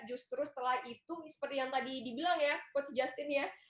justru setelah itu seperti yang tadi dibilang ya coach justin ya